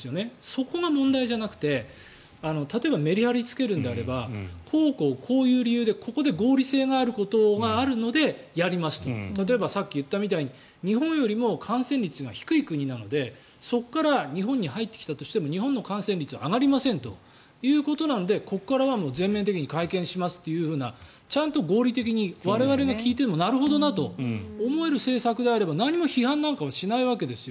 そこが問題じゃなくて例えばメリハリをつけるのであればこうこうこういう理由でここで合理性があるのでやりますと例えばさっき言ったみたいに日本よりも感染率が低い国なのでそこから日本に入ってきたとしても日本の感染率は上がりませんということなのでここからは全面的に解禁しますというようなちゃんと合理的に我々が聞いてもなるほどなと思える政策であれば何も批判なんかしないわけです。